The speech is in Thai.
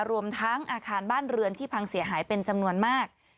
รวมทั้งอาคารบ้านเรือนที่พังเสียหายเป็นจำนวนมาก